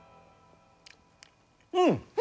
うん！